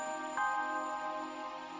tapi ditang kaulah kok ga jatuh an ellos